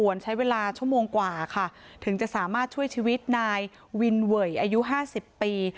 ส่วนใช้เวลาชั่วโมงกว่าค่ะถึงจะสามารถช่วยชีวิตนายวินเวยอายุ๕๐ปี